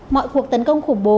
mọi cuộc tấn công khủng bố